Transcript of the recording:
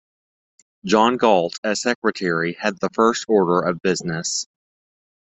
John Galt, as secretary, had the first order of business.